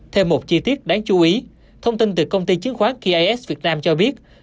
theo một chi tiết đáng chú ý thông tin từ công ty chứng khoán kis việt nam cho biết